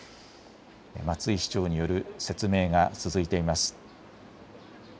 松井市長による説明が続いています。